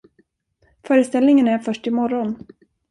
Föreställningen är först i morgon.